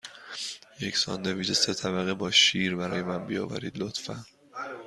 یک ساندویچ سه طبقه با شیر برای من بیاورید، لطفاً.